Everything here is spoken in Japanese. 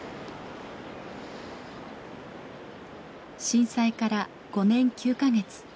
震災から５年９カ月。